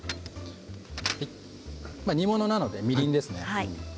煮物なので、みりんですね。